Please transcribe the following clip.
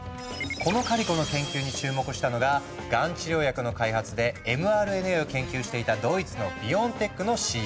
このカリコの研究に注目したのががん治療薬の開発でｍＲＮＡを研究していたドイツのビオンテックのＣＥＯ。